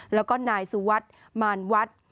และก็นายสุวรรค์มารวรรค์